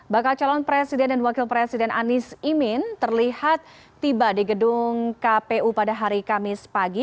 bakal calon presiden dan wakil presiden anies imin terlihat tiba di gedung kpu pada hari kamis pagi